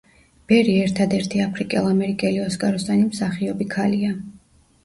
ბერი ერთადერთი აფრიკელ-ამერიკელი ოსკაროსანი მსახიობი ქალია.